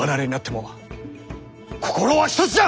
心は一つじゃ！